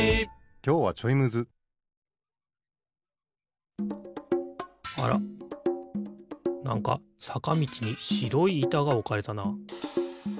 きょうはちょいむずあらなんかさかみちにしろいいたがおかれたな。